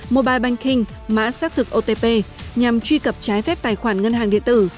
mobile banking mã xác thực otp nhằm truy cập trái phép tài khoản ngân hàng điện tử